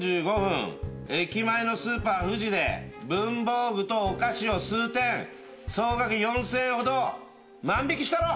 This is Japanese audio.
駅前のスーパーフジで文房具とお菓子を数点総額４，０００円ほど万引したろ？